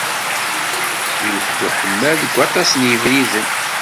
Iwet-d uḥemmal deg waṭas n yebriden.